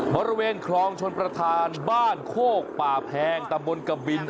บริเวณคลองชนประธานบ้านโคกป่าแพงตำบลกบิน